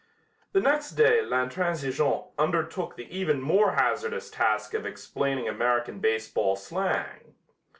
The next day L'Intransigeant undertook the even more hazardous task of explaining American baseball slang.